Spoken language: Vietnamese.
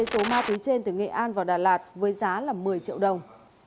số ma túy trên từ nghệ an vào đà lạt với giá một mươi triệu đồng